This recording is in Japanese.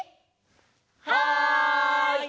はい！